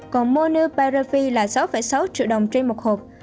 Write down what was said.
còn monupreviv là sáu sáu triệu đồng trên một hộp